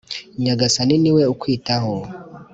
nyagasani niwe ukwitaho